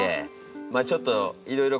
まあちょっといろいろ